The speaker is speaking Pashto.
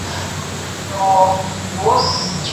د ملالۍ له پلوونو سره لوبي کوي